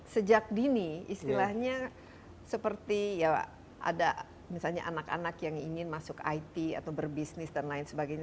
sejak dini istilahnya seperti ya ada misalnya anak anak yang ingin masuk it atau berbisnis dan lain sebagainya